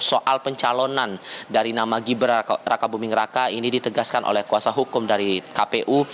soal pencalonan dari nama gibran raka buming raka ini ditegaskan oleh kuasa hukum dari kpu